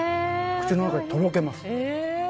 口の中でとろけます。